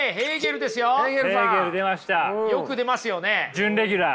準レギュラー。